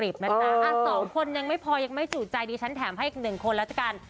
กรีบนะจ๊ะอ่า๒คนยังไม่พอยังไม่สู่ใจดีฉันแถมให้๑คนแล้วกัน